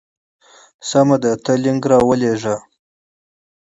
سمه ده ته لینک راولېږه.